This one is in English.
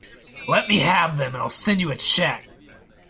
‘Let me have them, and I’ll send you a cheque.